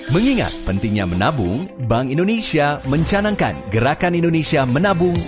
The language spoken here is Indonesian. mengingat pentingnya menabung bank indonesia mencanangkan gerakan indonesia menabung